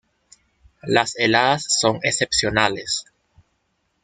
Las heladas son excepcionales.